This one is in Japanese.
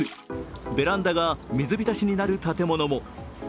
ベランダが水浸しになる建物も。